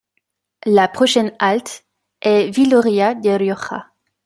La prochaine halte est Viloria de Rioja.